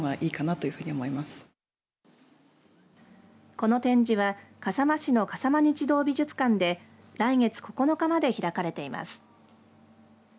この展示は笠間市の笠間日動美術館で来月９日まで開かれています。